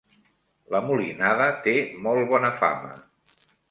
La Molinada té molt bona fama.